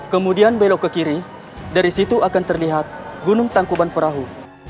kemudian belok ke kiri dari situ akan terlihat gunung tangkuban perahu